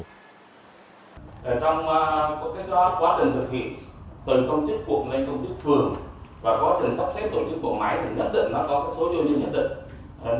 trong quá trình thực hiện từ công chức quận lên công chức phường và quá trình sắp xếp tổ chức bộ máy thì nhận định nó có số dư nhận định